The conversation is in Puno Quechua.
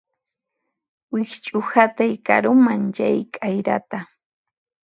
Wikch'uhatay karuman chay k'ayrata